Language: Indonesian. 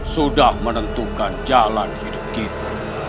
sudah menentukan jalan hidup kita